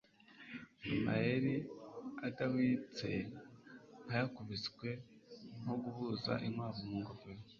Amayeri adahwitse nkayakubiswe nko guhuza inkwavu mu ngofero